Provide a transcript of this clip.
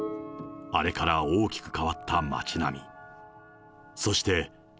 あれから大きく変わった街並み。